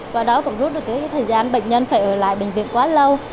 và đó còn rút được cái thời gian bệnh nhân phải ở lại bệnh viện quá lâu